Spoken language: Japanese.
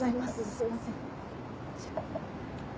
すいません。